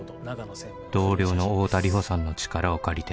「同僚の太田梨歩さんの力を借りて」